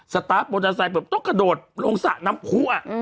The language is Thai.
สตาร์ฟบนอาศัยต้องกระโดดลงสระน้ำพูอ่ะ